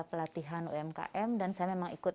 pelatihan umkm dan saya memang ikut